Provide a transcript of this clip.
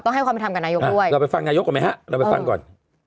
ให้ความเป็นธรรมกับนายกด้วยเราไปฟังนายกก่อนไหมฮะเราไปฟังก่อน